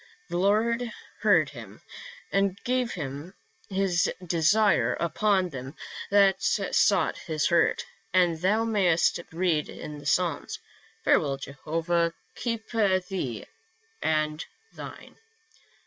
The Lord heard him and gave him his desire upon them that sought his hurt, as thou mayst read in the Psalms. Farewell ; Jehovah keep thee and thine."